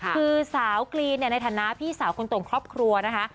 คือสาวกรีนในฐานะพี่สาวคนโต่งครอบครัวนะคะ